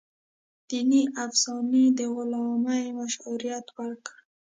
دیني افسانې د غلامۍ مشروعیت ورکړ.